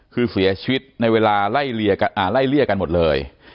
คือเสียชีวิตในเวลาไล่เลี่ยกันหมดเลย